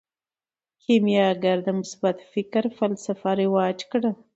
کیمیاګر د مثبت فکر فلسفه رواج کړه.